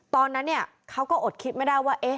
ตอนนั้นเขาก็อดคิดไม่ได้ว่า